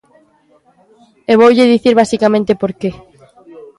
E voulle dicir basicamente por que.